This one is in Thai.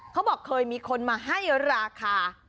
เขาบอกเคยมีคนมาให้ราคา